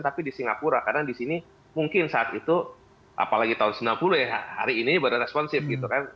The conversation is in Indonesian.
tapi di singapura karena di sini mungkin saat itu apalagi tahun seribu sembilan ratus sembilan puluh ya hari ini baru responsif gitu kan